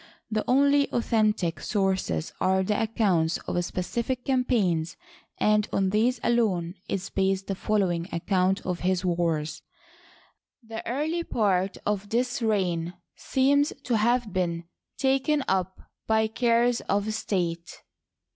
The only authentic sources are the accounts of specific campaigns, and on these alone is based the following ac count of his wars. The early part of this reign seems to have been taken up by cares of state.